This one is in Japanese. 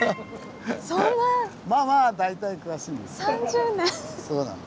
まあまあ大体詳しいんです。